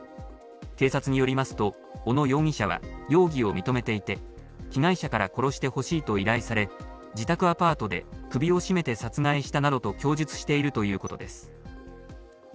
警察によりますと、小野容疑者は容疑を認めていて、被害者から殺してほしいと依頼され、自宅アパートで首を絞めて殺害したなどと供述しているということです。